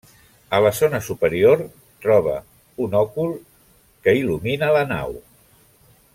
A la zona superior trobe, un òcul que il·lumina la nau.